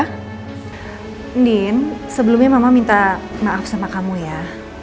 din sebelumnya mama minta maaf sama kamu ya